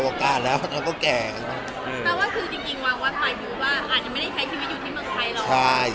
แต่ว่าคือจริงวางวัดใหม่อาจจะไม่ได้ใช้ที่วิดีโอที่เมืองไทยหรอ